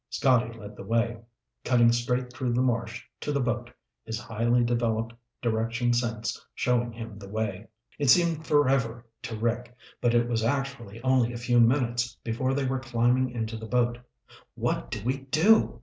Scotty led the way, cutting straight through the marsh to the boat, his highly developed direction sense showing him the way. It seemed forever to Rick, but it was actually only a few minutes before they were climbing into the boat. "What do we do?"